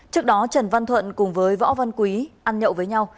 trước đó trần văn thuận cùng với võ văn quý ăn nhậu với nhau